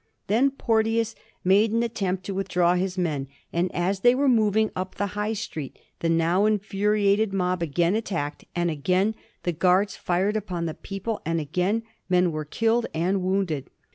Then Porteous made an attempt to withdraw his men, and as they were moving up the High Street the now infuriated mob again attack ed, and again the guards fired upon the people, and again men were killed and wounded.